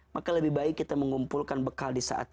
maka lebih baik kita mengumpulkan bekal di saat